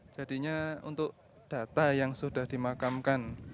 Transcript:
jadinya untuk data yang sudah dimakamkan